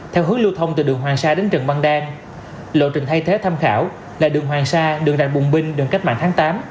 theo hướng lưu thông từ đường hoàng sa đến trần văn đan lộ trình thay thế tham khảo là đường hoàng sa đường rạch bùng binh đường cách mạng tháng tám